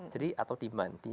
jadi atau demand